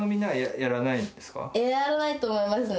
やらないと思いますね